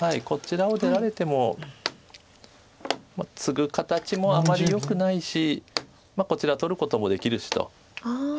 こちらを出られてもツグ形もあまりよくないしこちら取ることもできるしと。